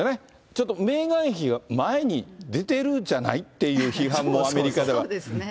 ちょっとメーガン妃は、前に出てるじゃないっていう批判も、アメリカでは。